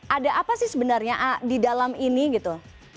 ada apa sih sebenarnya di dalam ini gitu